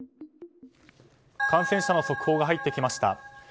感染者の速報が入ってきました。